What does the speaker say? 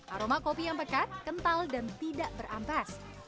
aroma kopi yang pekat kental dan tidak berampas